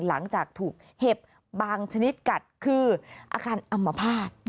หลังจากถูกเห็บบางชนิดกัดคืออาคารอัมพาต